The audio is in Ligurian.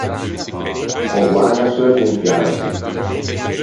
Ò guägno a seu confiansa.